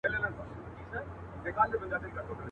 پر خپل قول درېدل خوی د مېړه دی.